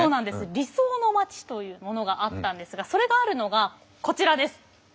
理想の町というものがあったんですがそれがあるのがこちらです！